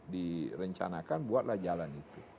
direncanakan buatlah jalan itu